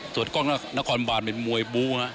ส่วนกล้องนครบานเป็นมวยบูนะ